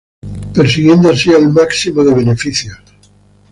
Persiguiendo así el máximo de beneficios.